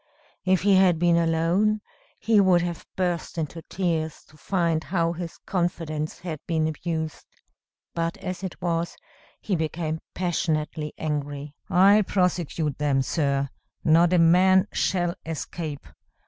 If he had been alone, he would have burst into tears, to find how his confidence had been abused. But as it was, he became passionately angry. "I'll prosecute them, sir. Not a man shall escape.